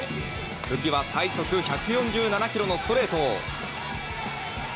武器は最速１４７キロのストレート。